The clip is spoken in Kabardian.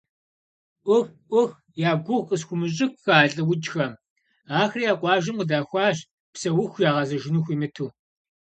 Ӏух! Ӏух! Я гугъу къысхуумыщӀыххэ а лӀыукӀхэм, ахэр я къуажэм къыдахуащ, псэуху ягъэзэжыну хуимыту.